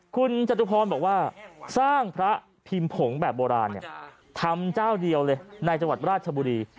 คุณจตุพรบอกว่าสร้างพระพิมพ์ผงแบบโบราณทำเจ้าเดียวเลยในจังหวัดราชบุรี